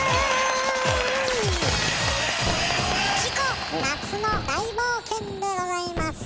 チコ夏の大冒険でございます。